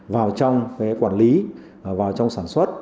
vào trong quản lý vào trong sản xuất